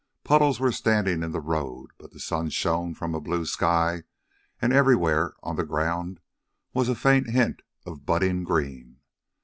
Puddles were standing in the road, but the sun shone from a blue sky, and everywhere, on the ground, was a faint hint of budding green.